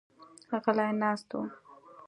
غلي ناست وو.